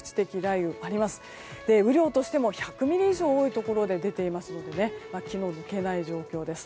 雨量としても１００ミリ以上多いところで出ていますので気の抜けない状況です。